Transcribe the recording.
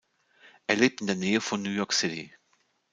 Er lebt in der Nähe von New York City.